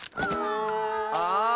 ああ。